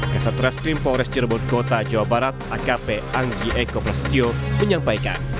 kasat reskrim polres cirebon kota jawa barat akp anggi eko prasetyo menyampaikan